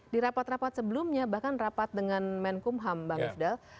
di rapat rapat sebelumnya bahkan rapat dengan menkumham bang ifdal